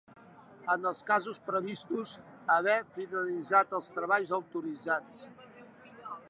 En els casos previstos, haver finalitzat els treballs autoritzats.